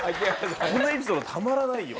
このエピソードたまらないよ。